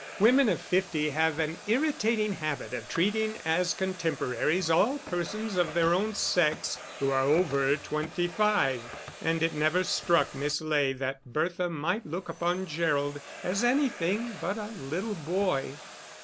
Women of fifty have an irritating habit of treating as contemporaries all persons of their own sex who are over twenty five, and it never struck Miss Ley that Bertha might look upon Gerald as anything but a little boy.